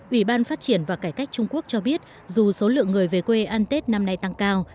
ủy ban phát triển và cải cách trung quốc cho biết dù số lượng người về quê ăn tết năm nay tăng cao